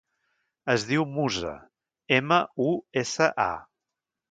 Es diu Musa: ema, u, essa, a.